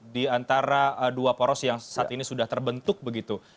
di antara dua poros yang saat ini sudah terbentuk begitu